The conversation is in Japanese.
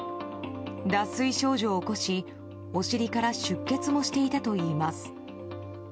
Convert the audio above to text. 脱水症状を起こし、お尻から出血もしていたといいます。